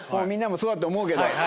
みんなもそうだと思うけど。